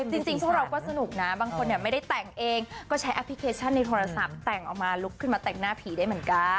จริงพวกเราก็สนุกนะบางคนไม่ได้แต่งเองก็ใช้แอปพลิเคชันในโทรศัพท์แต่งออกมาลุกขึ้นมาแต่งหน้าผีได้เหมือนกัน